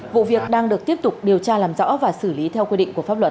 vụ việc đang được tiếp tục điều tra làm rõ và xử lý theo quy định của pháp luật